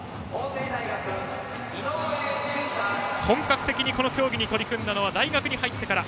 井之上駿太、本格的にこの競技に取り組んだのは大学に入ってから。